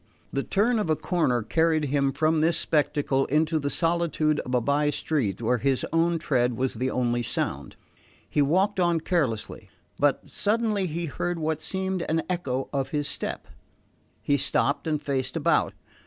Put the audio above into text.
The turn of a corner carried him from this spectacle into the solitude of a by street where his own tread was the only sound. He walked on carelessly; but suddenly he heard what seemed an echo of his step. He stopped and faced about.